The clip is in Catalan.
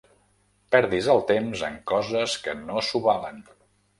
Perdis el temps en coses que no s'ho valen.